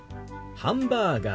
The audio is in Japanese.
ハンバーガー。